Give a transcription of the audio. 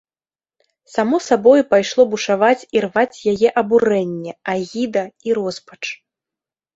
Само сабою пайшло бушаваць і рваць яе абурэнне, агіда і роспач.